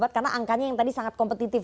karena angkanya yang tadi sangat kompetitif